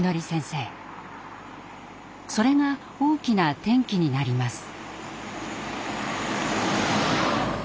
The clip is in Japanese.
それが大きな転機になります。